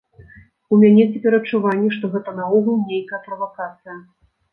У мяне цяпер адчуванне, што гэта наогул нейкая правакацыя.